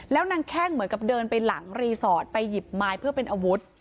แล้วนางแข้งเหมือนกับเดินไปหลังรีสอร์ทไปหยิบไม้เพื่อเป็นอาวุธ